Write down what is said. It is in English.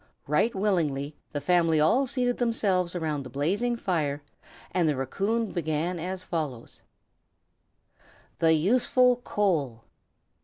Right willingly the family all seated themselves around the blazing fire, and the raccoon began as follows: THE USEFUL COAL.